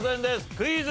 クイズ。